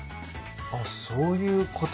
あっそういうこと。